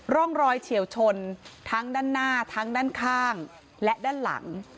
ร่องรอยเฉียวชนทั้งด้านหน้าทั้งด้านข้างและด้านหลัง